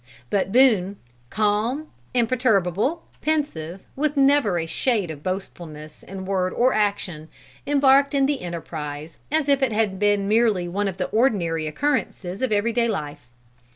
But Boone, calm, imperturbable, pensive, with never a shade of boastfulness in word or action, embarked in the enterprise as if it had been merely one of the ordinary occurrences of every day life.